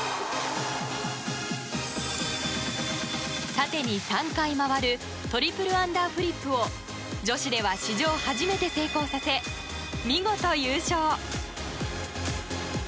縦に３回回るトリプルアンダーフリップを女子では史上初めて成功させ見事優勝。